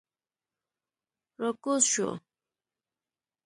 را کوز شوو.